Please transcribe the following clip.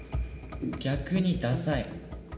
逆にダサい。